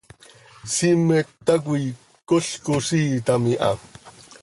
Siimet tacoi col coziiitam iha.